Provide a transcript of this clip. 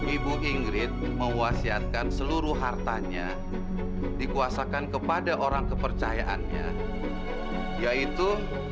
ibu ingrid mewasiatkan seluruh hartanya dikuasakan kepada orang kepercayaannya yaitu